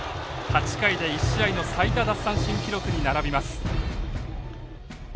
８回で１試合の最多奪三振記録に並びます。